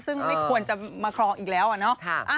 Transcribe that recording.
ซึ่งไม่ควรจะมาครองอีกแล้วอะเนาะ